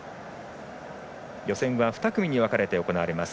予選は２組に分かれて行われます。